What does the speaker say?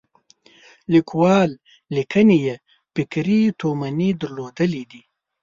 لیکوال لیکنې یې فکري تومنې درلودلې دي.